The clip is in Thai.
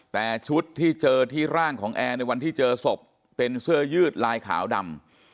แต่ชุดที่เจอที่ร่างของแอร์ในวันที่เจอศพเป็นเสื้อยืดลายขาวดำ